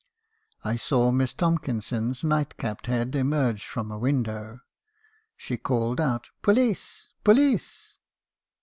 I saw Miss Tomkinson's night capped head emerge from a window. She called out 'Police! police!'